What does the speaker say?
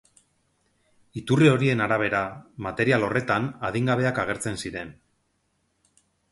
Iturri horien arabera, material horretan, adingabeak agertzen ziren.